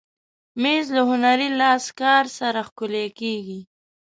مېز له هنري لاسکار سره ښکلی کېږي.